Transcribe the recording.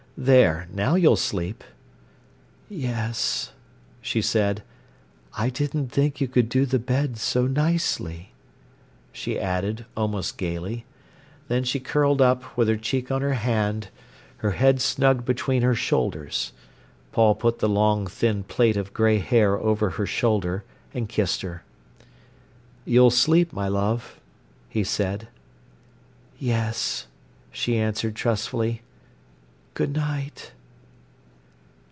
"There!—now you'll sleep." "Yes," she said. "I didn't think you could do the bed so nicely," she added, almost gaily. Then she curled up, with her cheek on her hand, her head snugged between her shoulders. Paul put the long thin plait of grey hair over her shoulder and kissed her. "You'll sleep, my love," he said. "Yes," she answered trustfully. "Good night."